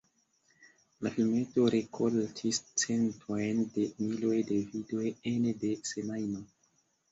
La filmeto rikoltis centojn da miloj da vidoj ene de semajno.